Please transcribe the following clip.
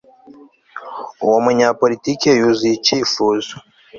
Uwo munyapolitike yuzuye icyifuzo